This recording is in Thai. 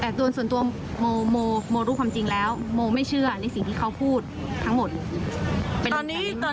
แต่ส่วนตัวโมโมรู้ความจริงแล้วโมไม่เชื่อในสิ่งที่เขาพูดทั้งหมดเป็นตอนนี้